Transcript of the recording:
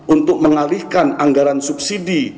untuk mengalihkan anggaran subsidi